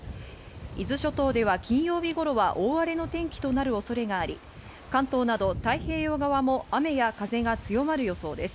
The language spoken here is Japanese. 伊豆諸島では金曜日頃は大荒れの天気となる恐れがあり、関東など太平洋側も雨や風が強まる予想です。